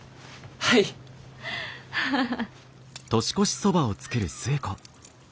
はい！ハハハ。